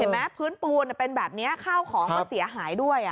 เห็นไหมพื้นปูนอะเป็นแบบนี้เข้าของเก้าเสียหายด้วยอะ